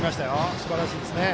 すばらしいですね。